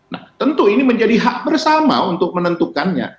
nah tentu ini menjadi hak bersama untuk menentukannya